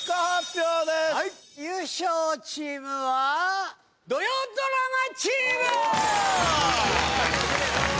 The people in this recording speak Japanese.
はい優勝チームは「土曜ドラマチーム」！